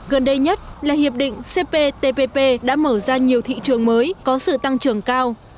gần đây nhất là hiệp định cptpp đã mở ra nhiều thị trường mới có sự tăng trưởng cao